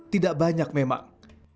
tidak banyak memang